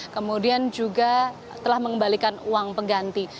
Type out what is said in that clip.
kemudian juga telah mengembalikan uang pengganti